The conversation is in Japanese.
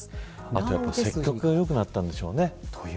あと接客が良くなったんでしょうね。